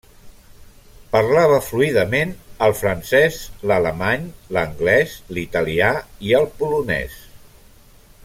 Parlava fluidament el francès, l'alemany, l'anglès, l'italià i el polonès.